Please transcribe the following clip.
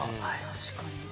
確かに。